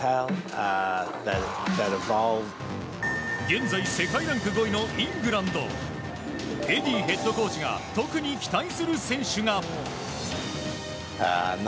現在、世界ランク５位のイングランド。エディーヘッドコーチが特に期待する選手が。